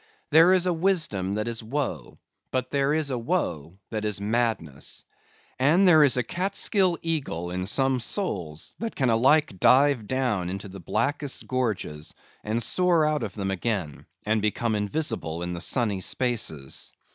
There is a wisdom that is woe; but there is a woe that is madness. And there is a Catskill eagle in some souls that can alike dive down into the blackest gorges, and soar out of them again and become invisible in the sunny spaces.